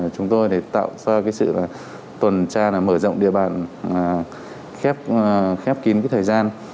chúng tôi tạo ra sự tuần tra mở rộng địa bàn khép kín thời gian